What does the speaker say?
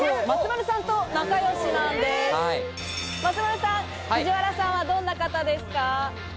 松丸さん、藤原さんはどんな方ですか？